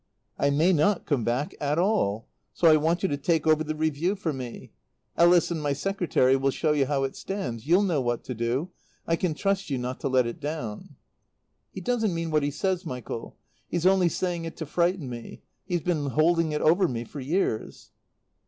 "I may not come back at all. So I want you to take over the Review for me. Ellis and my secretary will show you how it stands. You'll know what to do. I can trust you not to let it down." "He doesn't mean what he says, Michael. He's only saying it to frighten me. He's been holding it over me for years.